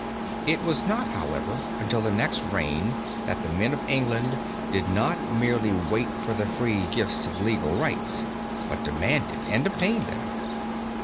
It was not, however, until the next reign that the men of England did not merely wait for the free gifts of legal rights but demanded and obtained them.